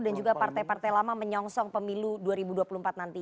dan juga partai partai lama menyongsong pemilu dua ribu dua puluh empat nanti